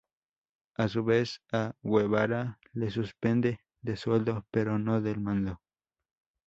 A su vez, a Guevara le suspende de sueldo, pero no del mando.